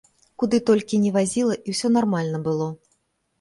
Куды толькі не вазіла, і ўсё нармальна было.